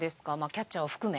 キャッチャーを含め。